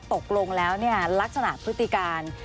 ตกลงแล้วลักษณะพฤติการ